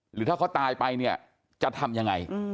หรือถ้าเขาตายไปเนี่ยจะทำยังไง